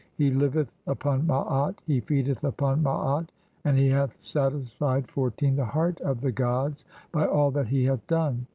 He liveth upon Maat, he feedeth upon "Maat, and he hath satisfied (14) the heart of the "gods by all that he hath done.